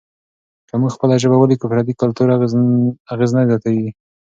که موږ خپله ژبه ولیکو، پردي کلتور اغېز نه زیاتیږي.